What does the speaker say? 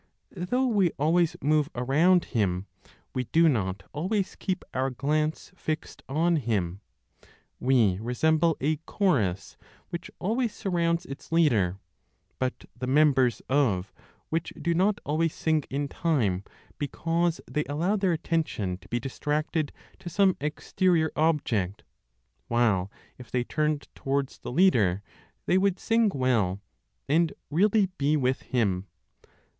Though we always move around Him, we do not always keep our glance fixed on Him. We resemble a chorus which always surrounds its leader, but (the members of) which do not always sing in time because they allow their attention to be distracted to some exterior object; while, if they turned towards the leader, they would sing well, and really be with him.